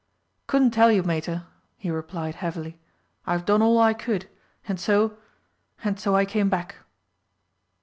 "Couldn't tell you, Mater," he replied heavily. "I've done all I could, and so and so I came back."